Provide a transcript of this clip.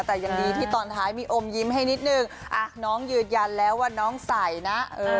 แต่ยังดีที่ตอนท้ายมีอมยิ้มให้นิดนึงอ่ะน้องยืนยันแล้วว่าน้องใส่นะเออ